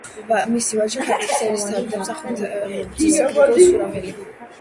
მისი ვაჟი იყო ქართლის ერისთავი და მსახურთუხუცესი გრიგოლ სურამელი.